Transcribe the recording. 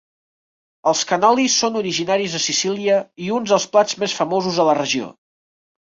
Els cannoli són originaris de Sicília i uns dels plats més famosos de la regió.